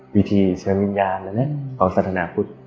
วิธีเชิญวิญญาณแล้วนะของสัธนาพุทธ